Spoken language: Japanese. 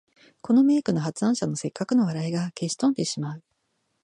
この名句の発案者の折角の笑いが消し飛んでしまう